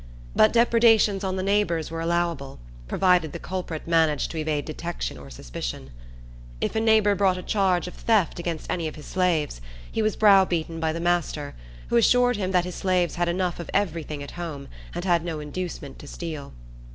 But depredations on the neighbors were allowable, provided the culprit managed to evade detection or suspicion. If a neighbor brought a charge of theft against any of his slaves, he was browbeaten by the master, who assured him that his slaves had enough of every thing at home, and had no inducement to steal.